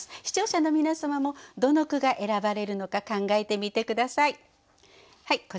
視聴者の皆様もどの句が選ばれるのか考えてみて下さい。